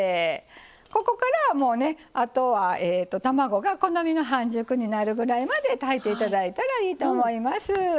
ここからは、あとは卵が好みの半熟になるぐらいまで炊いていただいたらいいと思います。